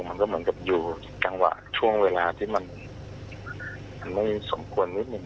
มันก็เหมือนกับอยู่จังหวะช่วงเวลาที่มันไม่สมควรนิดนึง